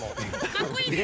かっこいいね。